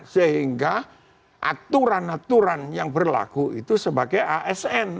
sehingga aturan aturan yang berlaku itu sebagai asn